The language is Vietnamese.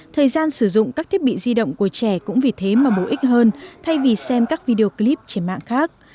thời gian sử dụng các thiết bị di động của trẻ cũng vì thế mà bổ ích hơn thay vì xem các video clip trên mạng khác